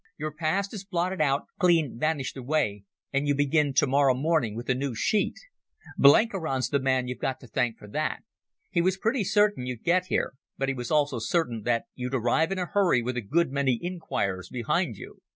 Your past is blotted out, clean vanished away, and you begin tomorrow morning with a new sheet. Blenkiron's the man you've got to thank for that. He was pretty certain you'd get here, but he was also certain that you'd arrive in a hurry with a good many inquirers behind you.